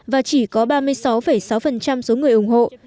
và chỉ có ba mươi sáu sáu số người ủng hộ